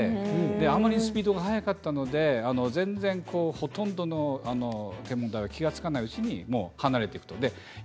あんまりスピードが速かったのでほとんどの天文台は気が付かないうちに離れていくとね。